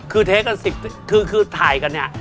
คือเทคกัน๑๐คือถ่ายกันเนี่ย